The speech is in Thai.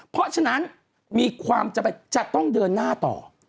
เพราะฉะนั้นมีความจะต้องเดินหน้าต่อ